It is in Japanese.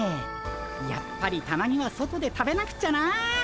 やっぱりたまには外で食べなくちゃな。